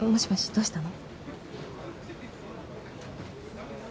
どうしたの？